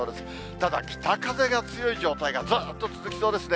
ただ、北風が強い状態がずっと続きそうですね。